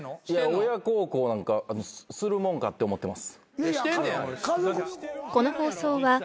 親孝行なんかするもんかって思ってます。